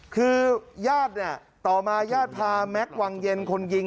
คือต่อมาญาติพาแม็กซ์วางเย็นคนยิง